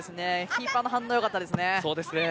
キーパーの反応よかったですね。